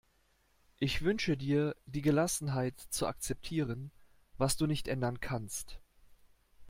Ich wünsche dir die Gelassenheit, zu akzeptieren, was du nicht ändern kannst.